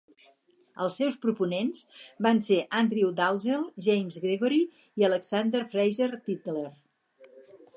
Els seus proponents van ser Andrew Dalzel, James Gregory i Alexander Fraser Tytler.